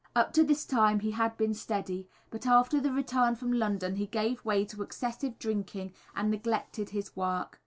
Up to this time he had been steady, but after the return from London he gave way to excessive drinking and neglected his work.